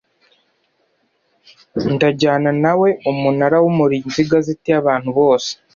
ndajyana na we umunara w umurinzi igazeti y abantu bose